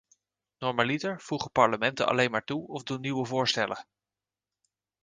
Normaliter voegen parlementen alleen maar toe of doen nieuwe voorstellen.